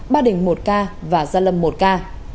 ba đình một ca và gia lâm một ca